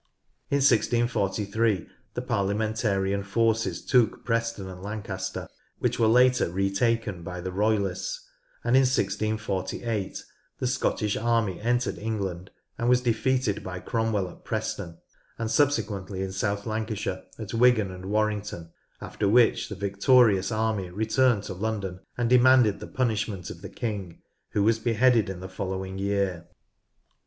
In 1643 tne parliamentarian forces took Preston and Lan caster, which were later retaken by the royalists, and in 1648 the Scottish army entered England and was defeated by Cromwell at Preston, and subsequently in South Lanca shire at Wigan and Warrington, after which the victorious army returned to London and demanded the punishment of the king, who was beheaded in the following year.